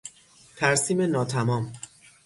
ترسیم ناتمام